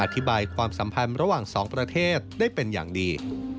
ความสัมพันธ์ระหว่างสองประเทศได้เป็นอย่างดี